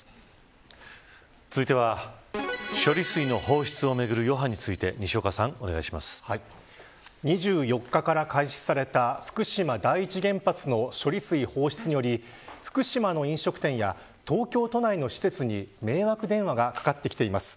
続いては処理水の放出をめぐる余波について２４日から開始された福島第１原発の処理水放出により福島の飲食店や東京都内の施設に迷惑電話がかかってきています。